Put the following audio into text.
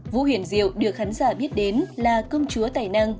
vũ hiển diệu được khán giả biết đến là công chúa tài năng